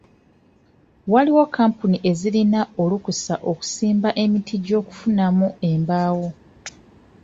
Waliwo kkampuni ezirina olukusa okusimba emiti gy'okufunamu embaawo.